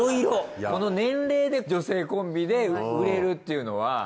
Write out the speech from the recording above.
この年齢で女性コンビで売れるっていうのは。